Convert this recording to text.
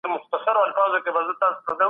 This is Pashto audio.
د یوه لوی ښار اداره کول جلا خبره ده.